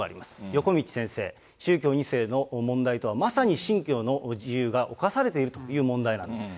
横道先生、宗教２世の問題とはまさに信教の自由が侵されているという問題なんだと。